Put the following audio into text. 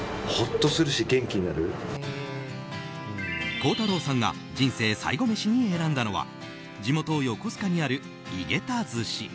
孝太郎さんが人生最後メシに選んだのは地元・横須賀にある、いげた寿司。